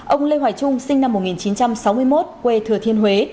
ông lê hoài trung sinh năm một nghìn chín trăm sáu mươi một quê thừa thiên huế